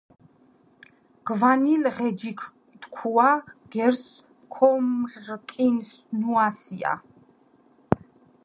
გვანილ ღეჯიქ თქუა: გერს ქომრკინუასია